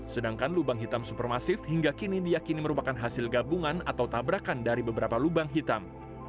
sedangkan lubang hitam supermasif hingga kini diakini merupakan hasil gabungan atau tabrakan dari beberapa lubang hitam